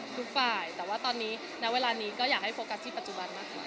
ทุกฝ่ายแต่ว่าตอนนี้ณเวลานี้ก็อยากให้โฟกัสที่ปัจจุบันนะคะ